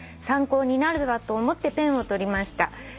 「参考になればと思ってペンをとりました」